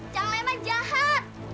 cang leman jahat